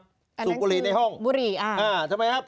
อันนั้นคือสุกุรีในห้องสุกุรีอ่าอ่าทำไมครับ